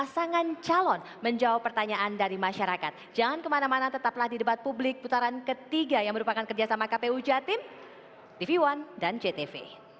jangan kemana mana tetaplah di debat publik putaran ketiga yang merupakan kerja sama kpu jatim tv one dan jtv